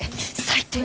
最低。